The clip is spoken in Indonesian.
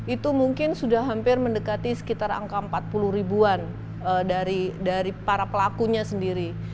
itu mungkin sudah hampir mendekati sekitar angka empat puluh ribuan dari para pelakunya sendiri